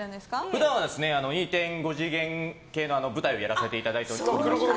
普段は２．５次元系の舞台をやらせていただいておりまして。